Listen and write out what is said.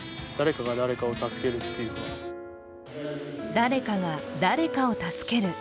誰かが誰かを助ける。